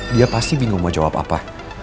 dia pasti bingung mau jawab apa